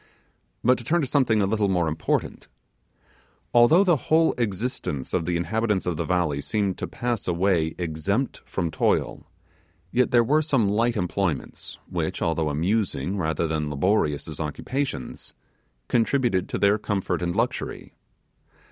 But to turn to something a little more important. Although the whole existence of the inhabitants of the valley seemed to pass away exempt from toil, yet there were some light employments which, although amusing rather than laborious as occupations, contributed to their comfort and luxury.